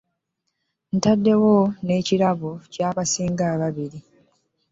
Ntaddewo n'ekirabo ky'abasinga ababiri.